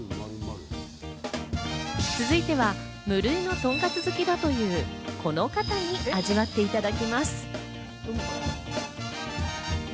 続いては無類のとんかつ好きだという、この方に味わっていただきます。